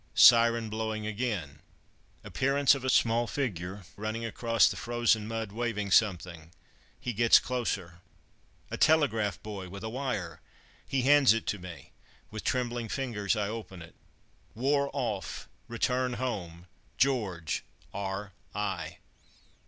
Siren blowing again: appearance of a small figure running across the frozen mud waving something. He gets closer a telegraph boy with a wire! He hands it to me. With trembling fingers I open it: "War off, return home. George, R.I."